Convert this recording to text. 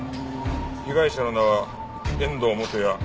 被害者の名は遠藤元也３１歳。